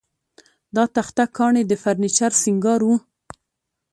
دا تخته ګانې د فرنیچر سینګار و